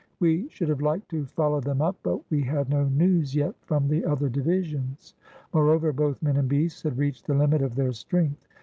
We should have liked to follow them up, but we had no news yet from the other divisions. Moreover, both men and beasts had reached the limit of their strength.